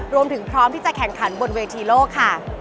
รวมถึงพร้อมที่จะแข่งขันบนเวทีโลกค่ะ